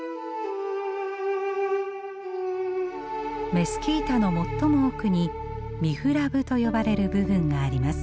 メスキータの最も奥にミフラブと呼ばれる部分があります。